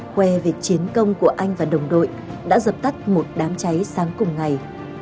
khoe về chiến công của anh và đồng đội đã dập tắt một đám cháy sáng cùng ngày